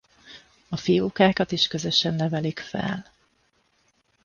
A fiókákat is közösen nevelik fel.